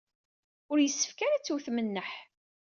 Ur yessefk ara ad tewtemt nneḥ.